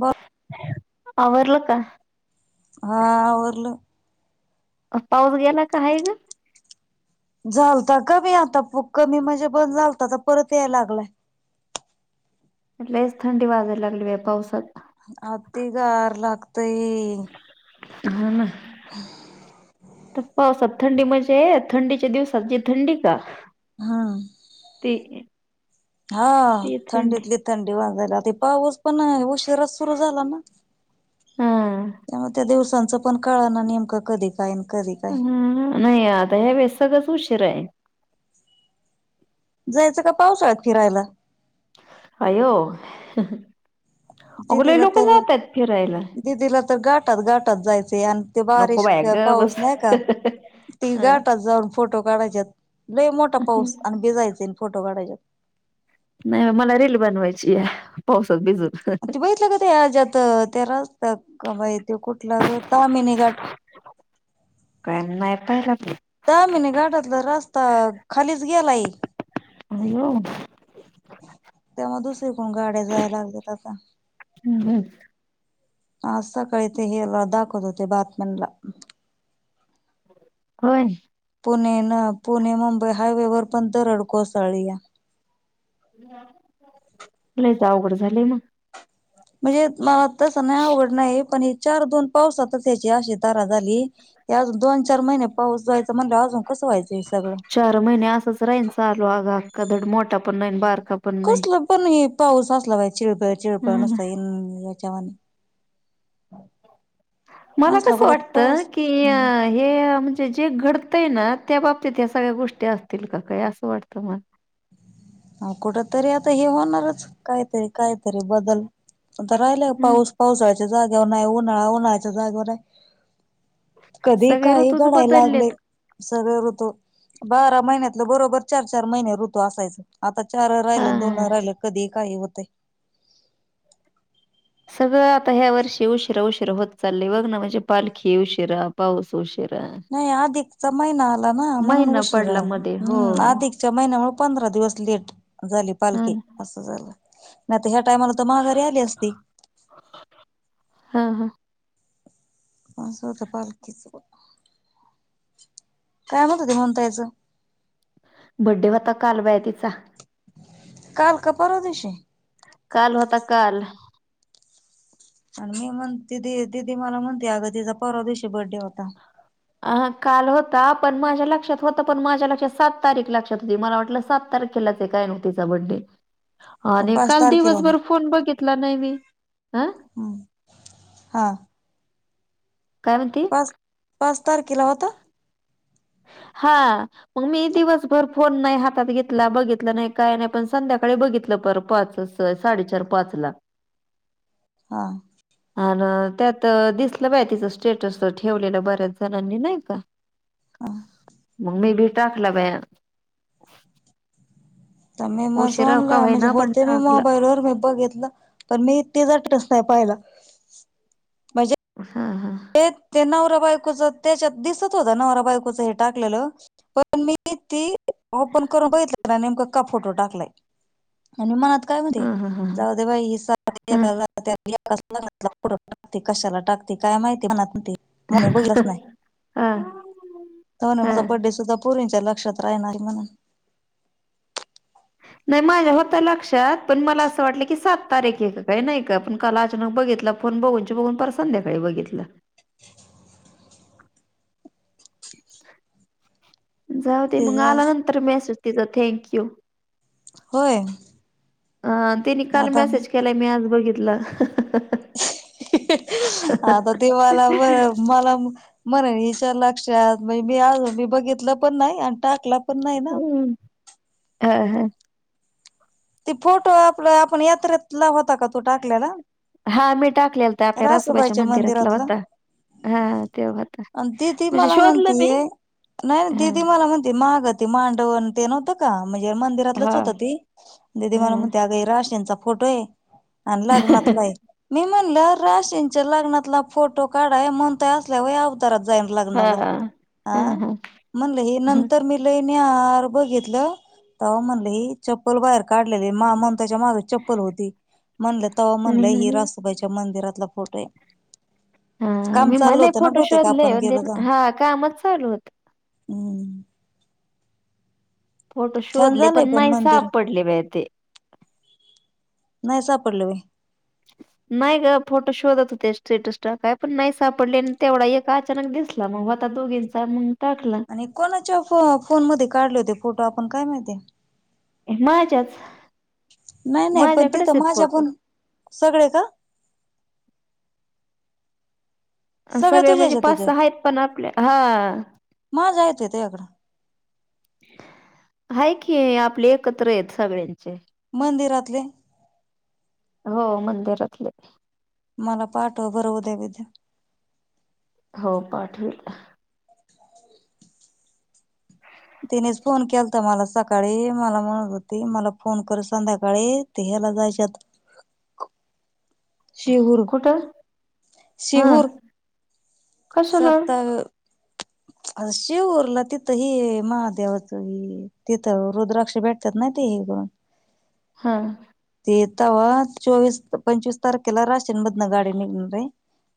बर आरला का हा र्ल पाऊस गेला का ग झालता कमी आता कमी म्हणजे बंद झालता तर परत याय लागलाय एलेच थंडी वाजे लागली आहे पावसाात आ त गार लागतय हा ना त पावस थंडी म्हणजे थंडीच्या दिवसात जी थंडी का हा ती हा ती थंडी थंडीतली थंडी वाजायला पाऊस पण उशिरा सुरु झाला ना हा त्यामुळे त्या दिवसांचं पण कळ ना नेमका कधी काय कधी काय. ह नाही आता ह्या वळेस सगळंच उशीर आहे जायचं का पाऊसळत फिरायला अयो अगोला दिदीला लोक तर जातात फिरत दिदीला तर गाटात गाटात जायचे आणि ते नको बारीिश बाया का गप पाऊस बस नाही का तिघाटात जाऊन फोटो काढाच्यात लय मोठा पाऊस आणि भिजायच फोटो काढायच्यात नाही मला रील बनवायची आहे पावसात भिजत ते बघितलं का ते आजत त्यारा तर बा ते कुठलं ग तमिनीघाट का नाही पणली दहामने घाटातला रस्ता खालीच गेलाय हॅलो कण गाड्या जाय लागल्या आता हा सकाळीेत हे दाखवत होते बातमन ला होय. पुणे ना पुणे मुंबई हायवे वर पण दरड कोसळीया. लइच अवघड झालंय मग. म्हणजे मला तस नाही आवड नाही पण चार दोन पावसातच याची अशी तऱ्हा झाली, ते अजून दोन चार महिने पाऊस जायचा म्हणल्यावर अजून कसं व्हायचं हे सगळं. चार महिने असंच राहीन चालू अगं अक्का धड मोठा पण नाही आणि बारका पण नाही. कसल पण हे पाऊस असला बाई चिळपळ चिळपळण नसता जातो. जवान. मला कसं वाटत की, हम्म हे म्हणजे जे घडतय ना. त्या बाबतीत या सगळ्या गोष्टी असतील का काय असं वाटतं मला. कुठं तरी आता हे होणारच काहीतरी कायतरी बदल. आता राहिला पाऊस पावसाळ्याच्या जागेवर नाही उन्हाळा उन्हाळ्याच्या जागेवर नाही. कधी सगळे काही ऋतूच घडाय लागलय. बदललेत. सगळ ऋतू बारा महिन्यातलं बरोबर चार-चार महिने ऋतू असायच. आता चार हा राहिलं आणि दोन राहिल कधीही काही होतय. सगळं आता ह्या वर्षी उशिरा-उशीरा होत, चालय बघ ना म्हणजे पालखी उशिरा पाऊस उशीरा. नाही आधिकचा महिना आला ना म्हणून महिना उशीरा पडला मध्ये हो. हम् आधिकच्या महिन्यामुळे पंधरा दिवस लेट झाली हा पालखी अस झाल नाय ह्या टायमाला तर माघारी आली असती. हा हा असं होत पालखीच बग. काय म्हणत होती मनु ताईच बड्डे होता काल बाई तिचा. काल का परवा दिवशी. काल होता काल. आणि मी म्हणते दिदी मला म्हणते अग तिचा परवा दिवशी बर्डे होता. हा काल होता, पण माझ्या लक्ष्यात त होत, पण माझ्या लक्ष्यात सात तारीख लक्ष्यात होती, मला वाटलं सात तारखेला ते काय रेवतीचा बड्डे आणि पाच काल तारखेला दिवसभर फोन बघितला नाही मी. हम्म हा. काय म्हणती? पाच पाच तारखीला होता. हा. हा मग मी दिवसभर फोन नाही हातात घेतला बघितलं नाही काय नाही पण संध्याकाळी बघितलं. बर पाच- साडेचार पाच ला. हा. आण त्यात दिसलं बाय तिचं स्टेटसला ठेवलेलं बऱ्याच जणांनी नाही का. आ. मग मी भी टाकला बया. तर मी माझं पण टाकला आनला [unintelligible] काय पाहिला... म्हणजे हा हा ते ते नवरा बायकोच त्याच्यात दिसत होत नवरा बायकोच हे टाकलेलं पण मी ती ऑफर.... करून बघितलं का नेम का फोटो टाकलाय आणि म आता... काय म ते हा हा हा जाऊ दे बाई हि... हा [unintelligible] कशाला टाकते मला बोलायचं नाय हा तान हा माझा बड्डे सुद्धा लक्षात राहणार म्हणून... नाही माझ्या होत लक्षात पण म असं वाट की सात तारीख का नाही काल अचानक बघितल बघून बघून पार संध्याकाळी बघितलं... जाऊ दे मग तिचा आला नंतर मेसेज तिचा थँंक यू होय हा तेनी काल आता मेसेज केलाय मी आज बघितलं आता ती मला बर मला म्हणल... च्या लक्षात म्ह मी मी बघितलं पण नाही आणि टाक हम्म [inaudible] हा हा ते फोटो आपलं आपण यात्रेत लावत का तू टाकल्याला हा मी टाकलेला तर [inaudible] आपल्या रासोबाच्या रासबायच्या मंदिरातला मंदिरातलं होता हा तेव्हा होता [inaudible] अ ती ती म्हणजे मला शोधलं म्हणती मी ये [inaudible] नाही ना हा ददी मला म्हणते महागत मांडव ते नवत का म्हणजे हा मंदिरातलंच होत त [inaudible] म्ह हा त्या फोटो आहे [inaudible] आणि लग्ना आहे मी राशींच्या लग्नातला फोटो काढाय म्हणता असल्या व हा हा हा म्ह हं, [inaudible] र बघितलं [inaudible] म्हण चप्पल बाहेर काढली मा म्हण त्याच्या माग चप्पल होती म्हणल तव्हा हं, म्हणलं ही हं. रातुबाईच्या मंदिरातला फोटो आहे [inaudible] हा काम मी चाललं मला होतं ना फोटो बहुतेक शोधले आपण हा कामच चालू होत [inaudible] होम [inaudible] फोटो छान शोधले झालंय पण नाही मंदिर सापडले बाई ते. नाही स [inaudible] पलवे [inaudible] [inaudible] नाही का फोटो शोधत होते स्टेटस ट काय पण नाही सापडले आणि तेवढा आहे का अचानक दिसला मग आता दोघींचा मग टाकला आणि कोणाच्या फ फोन मध्ये काढले होते. फोटो आपण काय माहिती. माझच. नाही नाही पण तेथ माझ्या पण सगळे का? सगळे तुझ्या म्हणजे हेच्यात पाच, होते सहा आहेत पण आपल्या हा. ते तु ह्या कड हाय की आपले एकत्र आहेत सगळ्यांचे. मंदिरातले? हो मंदिरातलेच. मला पाठवा बर उदय व बिद्या. हो पाठवेल. [inaudible] तिनेच फोन केलाता मला सकाळी, मला म्हणत होती मला फोन कर संध्याकाळी ते मला जायच्यात. [inaudible] शिहूर कुठं हा शिहूर कशाला? सात [inaudible] आ शिहूरला तिथं हे महादेवाच तिथं रुद्राक्ष भेटतात नाही ते तेण [unintelligible] हा. ते वा चोवीस, पंचवीस तारखेला राश चण बदन गाडी निघून जाईन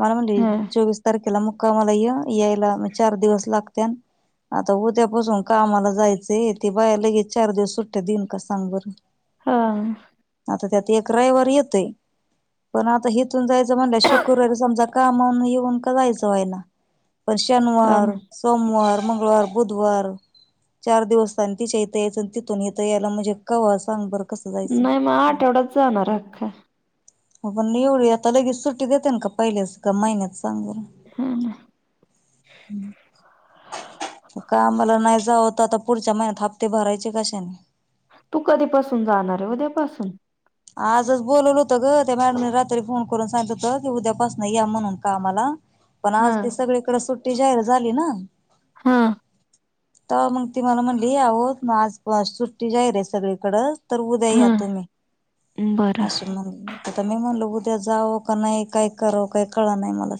मला म्हणली हा चोवीस तारीखेला मुक् कामला य यायला म चार दिवस लागत्या. आता उद्यापासून कामाला जायचंय, ते बाया लगेच चार दिवस सुट्ट्या देईन का सांग बर. हा. आता त्यात रयवार येतय पण आता हिथून जायचं म्हणलं शीकरू समजा. [unintelligible] कामा येऊन का जायचं वय ना, पन हा शनवार ना सोमवार, मंगळवार, बुधवार चार दिवस आणि तिच्या ईथ यायच, आणि तिथून य यायला म्हणजे कवा सांग बरं कसं जायचं. नाही मग आठवडात जाणार आख्खा. पण एवढी आता लगेच सुट्टी देते न, का पहिल्याच का महिन्यात संग बर हम्म कामला नाही जाऊ त आता. पुढच्या महिन्यात हप्ते भरायचे कशाने? [inaudible] तू कधीपासून जाणार आहे उद्यापासून? आजच बोलवलं होतं ग त्या मॅडमने रात्री, फोन करून सांगित होत की उद्यापासून या म्हणून कामला. पण हा आज ती सगळीकडे सुट्टी जाहीर झाली ना, हा. त मंग ती मला म्हणली आहो आज [unintelligible] सुट्टी जाहीर आहे सगळीकडं. तर उद्या या हा तुम्ही बरं आशी म्हण ता मी म्हणलो उद्या जाव का नाही, काय कराव काही कळ नाही मला.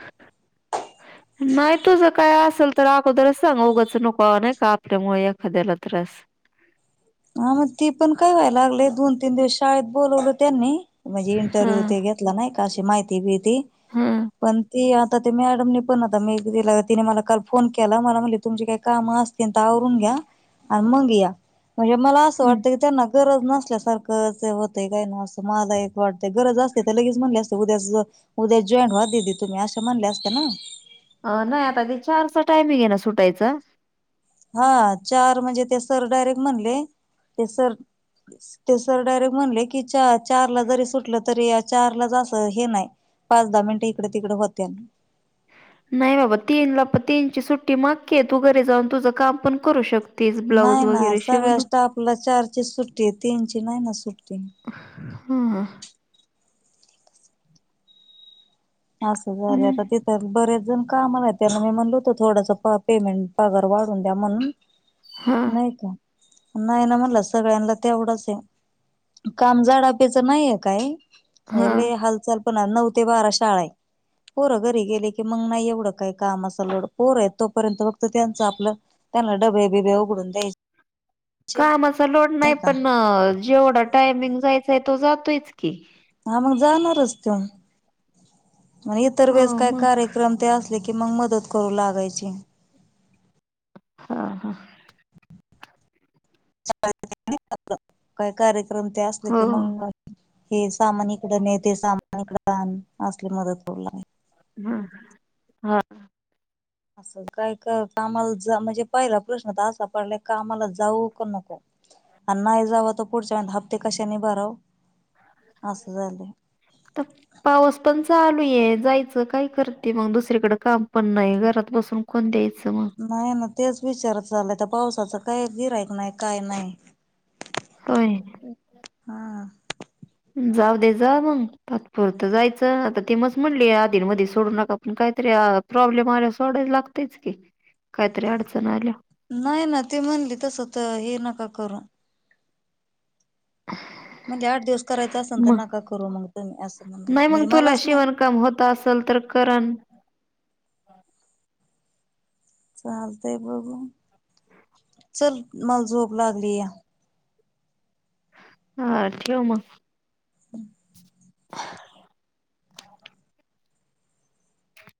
ह [inaudible] नाही तुझर काय असेल, तर अगोदर सांगा उगाच, नुको नाही का आपल्यामुळे एखाद्याला त्रास. हम [inaudible] हा मग ती पण काय व्हायला लागले, दोन तीन दिवस शाळेत बोोलवलं त्यांनी. म्हणजे हा इंटरव्ह्यू ते घेतला, नाही का अशी माहिती भीती हा पण ती आता ते मॅडमने पण आता मी तिला, तिने मला काल फोन केला मला म्हटले तुमची काही कामं असतील तर आवरून घ्या त आणि मग या म्हणजे, मला असं हा वाटतं की त्यांना गरज नसल्यासारखंच, होतं काय न असं मला एक वाटतें गरज असते तर लगेच म्हणले असते उद्या [unintelligible] उद्या जॉईन व ददी तुम्ही असे म्हणले असते ना, अ नाही आता ते चार चा टायमिं हे ना, सुटायचं हा चार म्हणजे ते सर डायरेक्ट म्हणले ते सर ते सर डायरेक्ट म्हणले, की च चार ला जरी सुटलं तरी चारला जास हे नाही पाच दहा मिनिट इकडे तिकड होत्यान नाही बाबा तीन ला, पण तीन ची सुट्टी मागकी, तू घरी जाऊन तुझं काम पण करू शकत नाही ना सगळ्या स्टाफ आपला चारची सुट्टी, तीनची नाही ना सुट्टी हा हा. असं झालं हम्म, तर तिथं बरेच जण का [unintelligible] मला त्यांना मी म्हणल होत थोडास प पेमेंट पगार वाढून द्या म्हणून हा नाही का नाही ना म्हणला सगळ्यांना तेवढंच आहे. काम झाडाप्याचं नाहीये काय? हा म्हणजे हालचाल पण नऊ ते बारा शाळा आहे. ममछज [inaudible] पोरं घरी गेले की मग नाही एवढं काय कामाचं लोड, पोरं आहे तोपर्यंत फक्त त्यांच आपलं त्यांना डब्बे बिबे उघडून द्यायचे कामाचा लोड नाही पण जेवढा टायमिंग जायचंय तो जातोयच की हा मग जाणारच त मग इतर हो वेळेस काय मग कार्यक्रम ते असत असलं कि मग मदत करू लागायची. हा हा. [inaudible] काय कार्यक्रम ते असले की हो मंगळ हे सामान इकड ने, ते सामान इकड आण असली मदत कर लागायची हम हा. असं काय कर आमला म्हणजे पहिला प्रश्न तर असा पडला का आम्हाला जाऊ का नको आणि नाही जाव त पुढच्या हप्ते कशा निभराव तर पाऊस पण चालू आहे जायचं काय करते मग दुसरीकडे काम पण नाही घरात बसून कोण द्यायचं मग नाही ना तेच विचार चालय तर पावसाचं काय गिरायक नाही काय नाही होय हा जाऊ दे जा मग तात्पुरत जायचं आता ते मच म्हणली आधी मध्ये सोडू नका आपण काय तरी प्रॉब्लेम आल्या सोडा लागतेच की काहीतरी अडचण आल्या नाही ना ते म्हणली तस तर हे नका करून मछैयढघझ म्हणजे आठ दिवस करायच असेल तर नका करू मग तम्ही असं म्हण नाही मग म्हणजे तुला मलाच नाही शिवणकाम होत असेल तर करण चालतय बघू चल मला झोप लागली या हा ठेव मग हम्म. [unintelligible]